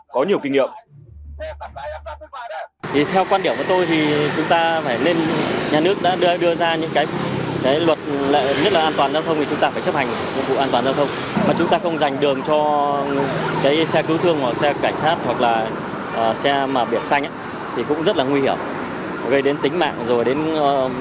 có nhiều kinh nghiệm